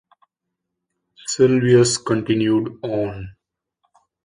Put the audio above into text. Sylvius continued on.